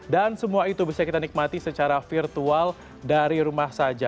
dan semua itu bisa kita nikmati secara virtual dari rumah saja